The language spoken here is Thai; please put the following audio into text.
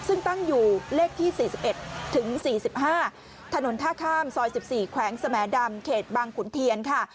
ซึ่งตั้งอยู่เลขที่๔๑ถึง๔๕ถนนท่าข้ามซอย๑๔แขวงสมดำเขตบางขุนเทียนค่ะ